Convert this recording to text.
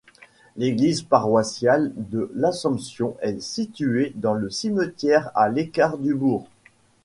L'église paroissiale de l'Assomption est située dans le cimetière à l'écart du bourg.